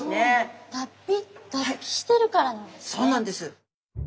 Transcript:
そうなんです！